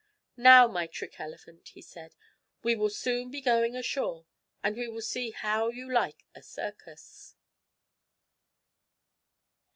"Now, my trick elephant," he said, "we will soon be going ashore, and we will see how you like a circus."